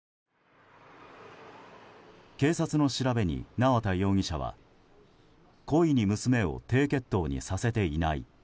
警察の調べに、縄田容疑者は故意に娘を低血糖にさせていない。